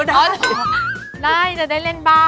แล้วก็ปรุงรสด้วยเกลือพริกไทย